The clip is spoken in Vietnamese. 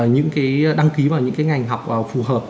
những cái đăng ký vào những cái ngành học phù hợp